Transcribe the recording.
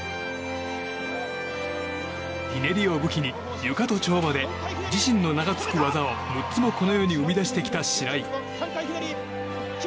ひねりを武器に、ゆかと跳馬で自身の名がつく技を６つもこの世に生み出してきた白井。